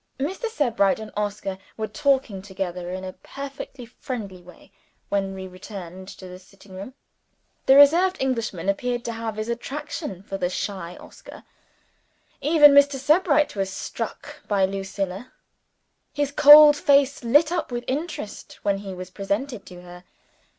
Mr. Sebright and Oscar were talking together in a perfectly friendly way when we returned to the sitting room. The reserved Englishman appeared to have his attraction for the shy Oscar. Even Mr. Sebright was struck by Lucilla; his cold face lit up with interest when he was presented to her.